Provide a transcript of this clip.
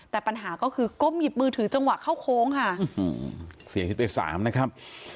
แต่ปัญหาก็คือก้มหยิบมือถือจังหวะเข้าโค้งค่ะเสียชีวิตไปสามนะครับ